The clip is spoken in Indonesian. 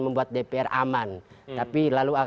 membuat dpr aman tapi lalu